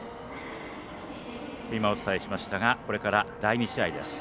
今、お伝えしましたがこれから第２試合です。